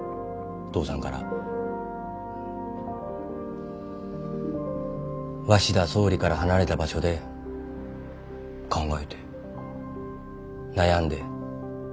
父さんから鷲田総理から離れた場所で考えて悩んで。